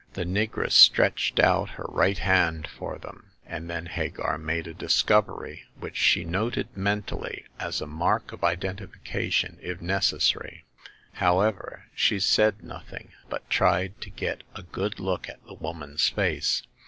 The negress stretched out her right haft^ for them ^* and then Hagar made a discovery which she noted mentally as a mark of identification if necessary. However, she said nothing, but tried to get a good look at the woman's face.